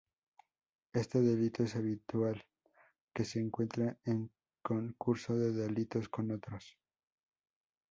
Este delito es habitual que se encuentre en concurso de delitos con otros.